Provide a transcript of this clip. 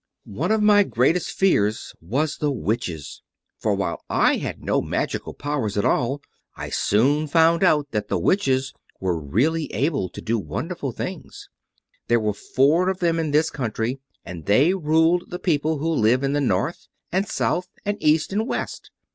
"One of my greatest fears was the Witches, for while I had no magical powers at all I soon found out that the Witches were really able to do wonderful things. There were four of them in this country, and they ruled the people who live in the North and South and East and West.